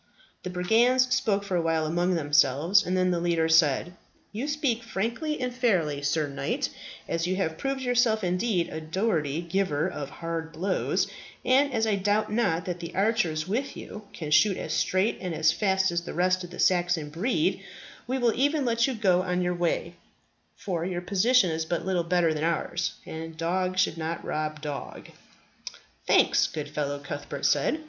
The brigands spoke for awhile among themselves, and then the leader said, "You speak frankly and fairly, Sir Knight, and as you have proved yourself indeed a doughty giver of hard blows, and as I doubt not that the archers with you can shoot as straight and as fast as the rest of the Saxon breed, we will e'en let you go on your way, for your position is but little better than ours, and dog should not rob dog." "Thanks, good fellow," Cuthbert said.